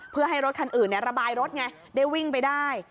เพื่อให้รถคันอื่นระบายรถไงได้วิ่งไปได้